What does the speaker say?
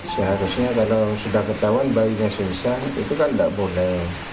seharusnya kalau sudah ketahuan bayinya susah itu kan tidak boleh